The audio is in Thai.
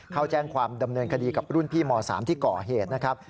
เข้าแจ้งความดำเนินคดีกับรุ่นพี่ม๓ที่ก่อเหตุนะครับ